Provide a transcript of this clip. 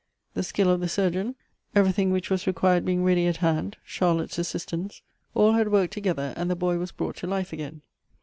The skill of the surgeon, every thing which was required being ready at hand, Charlotte's assistance — all had worked together, and the boy was brought to life again.